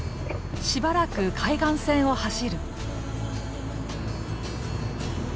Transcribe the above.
しばらく海岸線を走る。